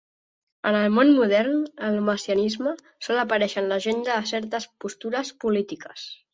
En el món modern, el messianisme sol aparèixer en l'agenda de certes postures polítiques.